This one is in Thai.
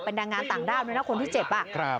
เป็นดางงานต่างด้านด้วยนะคนที่เจ็บ